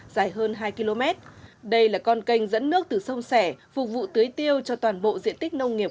dài hơn hai km đây là con canh dẫn nước từ sông xẻ phục vụ tưới tiêu cho toàn bộ diện tích nông nghiệp